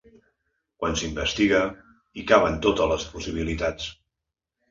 “Quan s’investiga, hi caben totes les possibilitats”.